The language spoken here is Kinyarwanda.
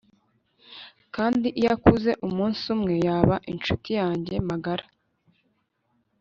kandi iyo akuze umunsi umwe yaba inshuti yanjye magara